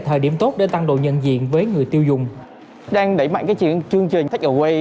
thời điểm tốt để tăng độ nhân diện với người tiêu dùng đang đẩy mạnh cái chương trình take away